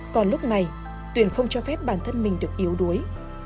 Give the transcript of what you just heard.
còn lúc này tuyền không cho phép bản thân mình được yếu đuối